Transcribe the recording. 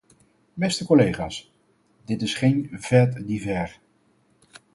Beste collega's, dit is geen fait divers.